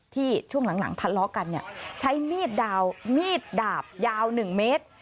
ช่วงหลังทะเลาะกันใช้มีดดาบยาว๑เมตร